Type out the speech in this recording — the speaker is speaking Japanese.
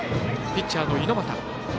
ピッチャーの猪俣。